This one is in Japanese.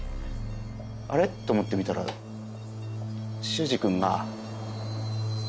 あれ？って思って見たら秀司君が。